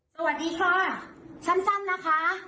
สวัสดีค่ะสั้นนะคะ